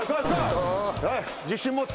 自信持って。